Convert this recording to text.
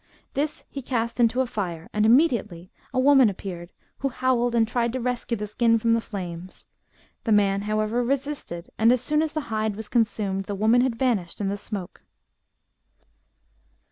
This he cast into a fire, and immediately a woman appeared, who howled and tried to rescue the skin from the flames. The man, however, resisted, and, as soon as the hide was consumed, the woman had vanished in the smoke.